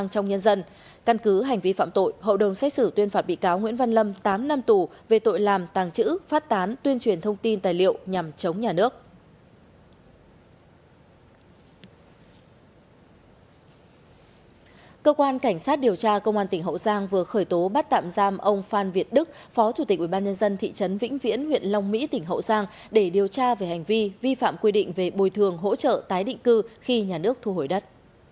cơ quan an ninh điều tra công an tỉnh tiền giang vừa khởi tố bắt tạm giam ông phan việt đức phó chủ tịch ubnd thị trấn vĩnh viễn huyện long mỹ tỉnh hậu giang để điều tra về hành vi vi phạm quy định về bồi thường hỗ trợ tái định cư khi nhà nước thu hồi đất